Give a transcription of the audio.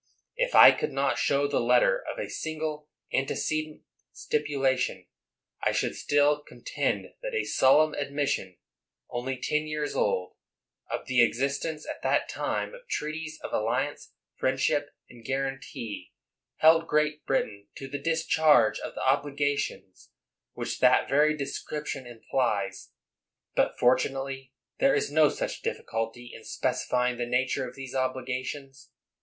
If I could not show the letter of a single antecedent stipulation, I should still contend that a solemn admission, only ten years old, of the existence at that time of "treaties of alliance, friendship, and guaran tee," held Great Britain to the discharge of the obligations which that very description implies. But fortunately there is no such difficulty in specifying the nature of those obligations.